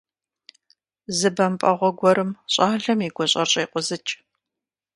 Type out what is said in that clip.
Зы бэмпӀэгъуэ гуэрым щӏалэм и гущӀэр щекъузыкӀ.